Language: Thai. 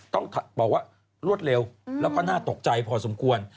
ต้องบอกว่ารวดเร็วแล้วก็น่าตกใจพอสมควร